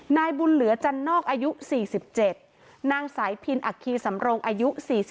นายบุญเหลือจันนอกอายุ๔๗นางสายพินอัคคีสำรงอายุ๔๒